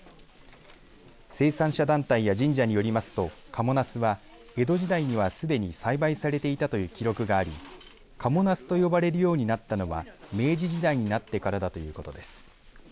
生産者団体や神社によりますと賀茂なすは、江戸時代にはすでに栽培されていたという記録があり賀茂なすと呼ばれるようになったのは明治時代になってからだということです。